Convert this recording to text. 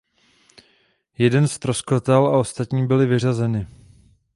Jeden ztroskotal a ostatní byly vyřazeny.